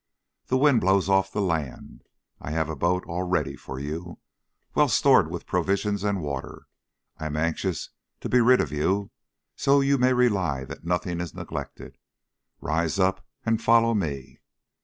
The wind blows off the land. I have a boat all ready for you, well stored with provisions and water. I am anxious to be rid of you, so you may rely that nothing is neglected. Rise up and follow me."